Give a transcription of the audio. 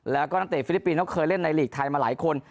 แล้วก็นักเตะฟิลิปปินส์เคยเล่นในหลีกไทยมาหลายคน